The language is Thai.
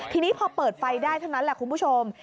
ทีนี้พอเปิดไฟได้เท่านั้นแหละคุณผู้ชม